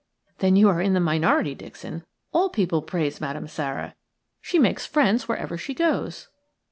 "Then you are in the minority, Dixon. All people praise Madame Sara. She makes friends wherever she goes."